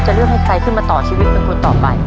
เลือกให้ใครขึ้นมาต่อชีวิตเป็นคนต่อไป